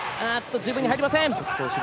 自分に入りません。